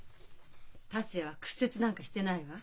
達也は屈折なんかしてないわ。